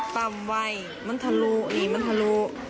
ปร่ำไวมันทะลูหรือมันทะลู